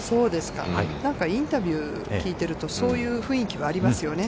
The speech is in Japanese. なんかインタビューを聞いていると、そういう雰囲気はありますよね。